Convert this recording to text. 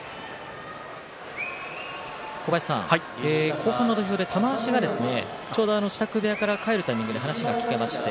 後半の土俵で玉鷲がちょうど支度部屋から帰る時に話が聞けました。